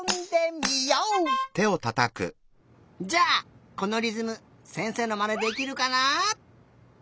じゃあこのりずむせんせいのまねできるかな？